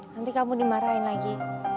nanti kamu dimarahin lagi